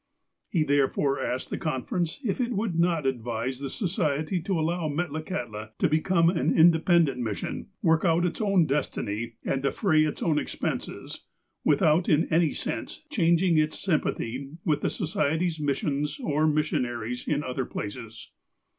He, therefore, asked the conference if it would not ad vise the Society to allow Metlakahtla to become an inde pendent mission, work out its own destiny, and defray its own expenses, without in any sense changing in its sympathy with the Society's missions or missionaries in other places.